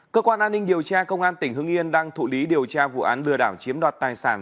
cơ quan an ninh điều tra công an tỉnh hưng yên đang thụ lý điều tra vụ án lừa đảo chiếm đoạt tài sản